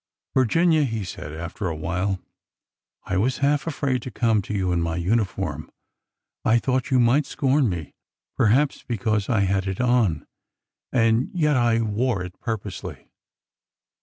Virginia," he said, after a while, I was half afraid to come to you in my uniform. I thought you might scorn me, perhaps, because I had it on. And yet— I wore it purposely."